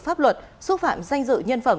pháp luật xúc phạm danh dự nhân phẩm